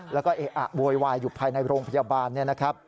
แล้วก็เอะอะโวยวายอยู่ภายในโรงพยาบาลเนี่ยนะครับ